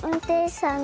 さん